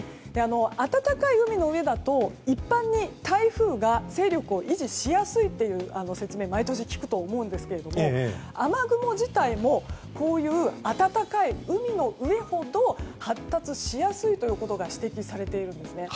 暖かい海の上だと、一般に台風が勢力を維持しやすいという説明を毎年聞くと思いますが雨雲自体もこういう暖かい海の上ほど発達しやすいということが指摘されているんですね。